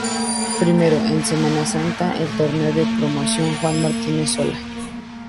Primero, en semana santa, el Torneo de Promoción Juan Martínez Sola.